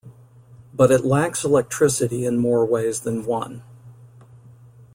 But it lacks electricity in more ways than one.